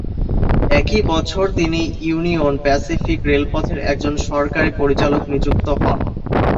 একই বছর তিনি ইউনিয়ন প্যাসিফিক রেলপথের একজন সরকারি পরিচালক নিযুক্ত হন।